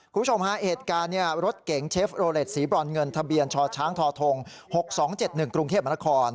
คุณผู้ชมฮะเหตุการณ์รถเก๋งเชฟโรเลสสีบรอนเงินทะเบียนชชทง๖๒๗๑กรุงเทพมนาคม